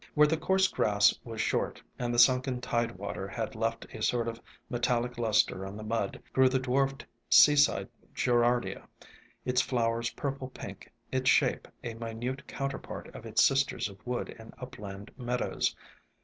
Where the coarse grass was short, and the sunken tide water had left a sort of metallic luster on the mud, grew the dwarfed Seaside Gerardia, its flowers purple pink, its shape a minute counterpart of its sisters of wood and upland meadows.